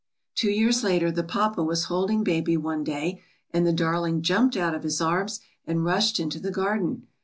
^Two years later the papa was holding baby one day and the darling jumped out of his arms and rushed into the garden.